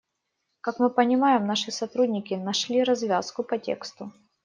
Как мы понимаем, наши сотрудники нашли развязку по тексту.